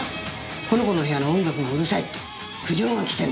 この子の部屋の音楽がうるさいって苦情が来てね。